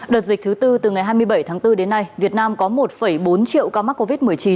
đợt dịch thứ tư từ ngày hai mươi bảy tháng bốn đến nay việt nam có một bốn triệu ca mắc covid một mươi chín